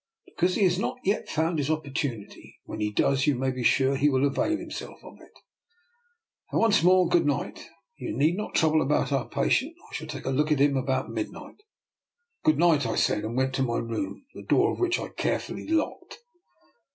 "" Because he has not yet found his oppor tunity. When he does, you may be sure he will avail himself of it. Now once more good night. You need not trouble about our patient; I shall take a look at him about midnight." " Good night," I said, and went to my room, the door of which I carefully locked.